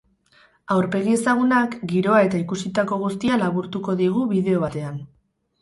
Aurpegi ezagunak, giroa eta ikusitako guztia laburtuko digu bideo batean.